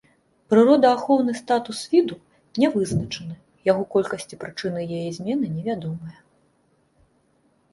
Прыродаахоўны статус віду нявызначаны, яго колькасць і прычыны яе змены невядомыя.